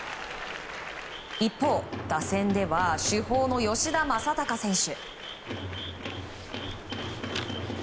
一方、打線では主砲の吉田正尚選手。